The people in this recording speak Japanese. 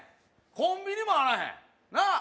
コンビニもあらへんなあ